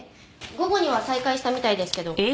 午後には再開したみたいですけど。